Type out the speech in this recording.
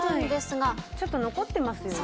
ちょっと残ってますよね。